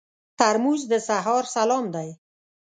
ترموز د سهار سلام دی.